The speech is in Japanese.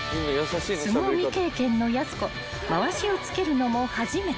［相撲未経験のやす子まわしを着けるのも初めて］